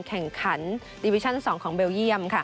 แข่งขันดิวิชั่น๒ของเบลเยี่ยม